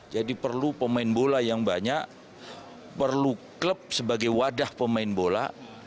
jadi perlu pemain bola yang banyak perlu klub sebagai wadah pemain bola